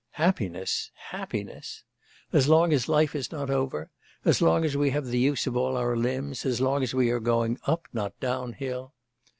Happiness! happiness! as long as life is not over, as long as we have the use of all our limbs, as long as we are going up, not down, hill!